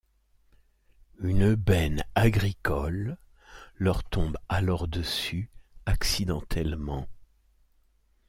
Une benne agricole leur tombe alors dessus accidentellement.